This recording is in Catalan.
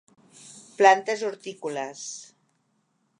Plantes hortícoles.